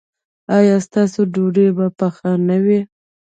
ایا ستاسو ډوډۍ به پخه نه وي؟